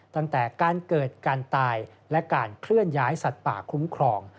ตั้งแต่การเกิดการตายและการเคลื่อนย้ายสัตว์ป่าคุ้มครอง